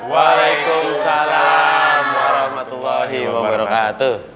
waalaikumsalam warahmatullahi wabarakatuh